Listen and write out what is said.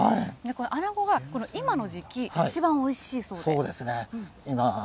このあなごが今の時期、一番おいそうですね。